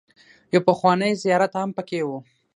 يو پخوانی زيارت هم پکې و.